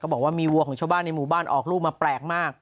บอกว่ามีวัวของชาวบ้านในหมู่บ้านออกลูกมาแปลกมาก